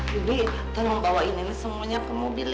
bibi tolong bawain ini semuanya ke mobil ya